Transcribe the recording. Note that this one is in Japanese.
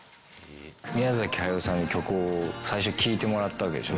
宮崎駿さんに曲を最初聴いてもらったわけでしょ。